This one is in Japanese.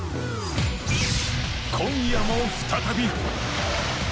今夜も再び。